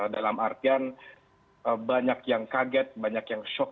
dalam artian banyak yang kaget banyak yang shock